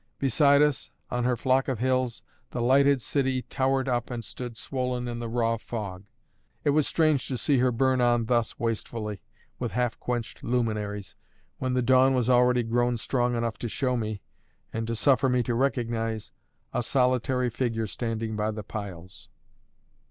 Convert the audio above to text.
Beside us, on her flock of hills, the lighted city towered up and stood swollen in the raw fog. It was strange to see her burn on thus wastefully, with half quenched luminaries, when the dawn was already grown strong enough to show me, and to suffer me to recognise, a solitary figure standing by the piles.